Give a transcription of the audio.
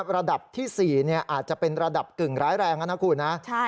ระดับที่๔อาจจะเป็นระดับกึ่งร้ายแรงนะคุณนะ